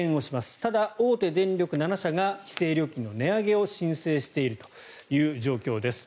ただ、大手電力７社が規制料金の値上げを申請している状況です。